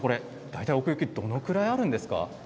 大体奥行きどれくらいあるんですか。